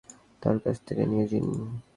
তার কাছ থেকে নিয়ে নিন।